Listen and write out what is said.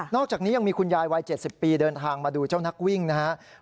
อกจากนี้ยังมีคุณยายวัย๗๐ปีเดินทางมาดูเจ้านักวิ่งนะครับ